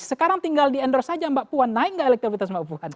sekarang tinggal di endorse aja mbak puan naik gak elektribitas mbak puan